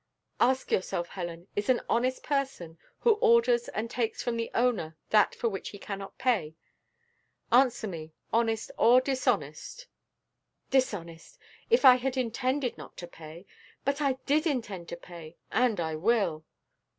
"Ask yourself, Helen: is a person honest, who orders and takes from the owner that for which he cannot pay? Answer me, honest or dishonest." "Dishonest! if I had intended not to pay. But I did intend to pay, and I will."